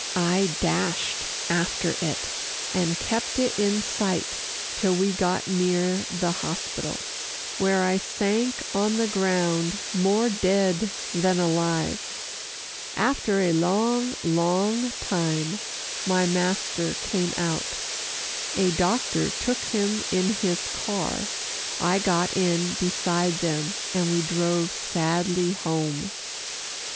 I dashed after it, and kept it in sight till we got near the hospital, where I sank on the ground, more dead than alive. After a long, long time my master came out. A doctor took him in his car, I got in beside them, and we drove sadly home.